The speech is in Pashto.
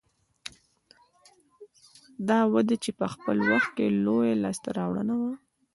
دا وده چې په خپل وخت کې لویه لاسته راوړنه وه